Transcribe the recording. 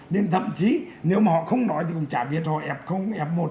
nên thậm chí nếu mà họ không nói thì cũng chả biết họ f một